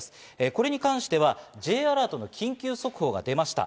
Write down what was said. それに関してはＪアラートの緊急速報が出ました。